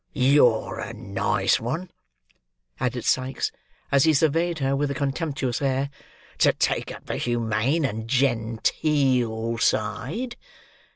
"You're a nice one," added Sikes, as he surveyed her with a contemptuous air, "to take up the humane and gen—teel side!